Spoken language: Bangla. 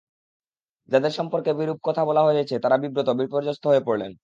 যাঁদের সম্পর্কে বিরূপ কথা বলা হয়েছে, তাঁরা বিব্রত, বিপর্যস্ত হয়ে পড়লেন।